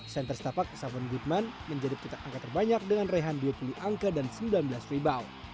center setapak soven goodman menjadi petak angka terbanyak dengan rehan dua puluh angka dan sembilan belas rebound